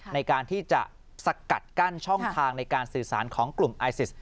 ในการที่จะสกัดกั้นช่องทางในการสื่อสารของกลุ่มไอซิส